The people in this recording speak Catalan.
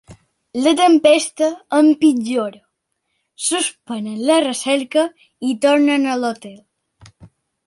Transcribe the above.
La tempesta empitjora, suspenen la recerca i tornen a l'hotel.